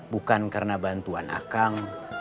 bukan karena bantuan akang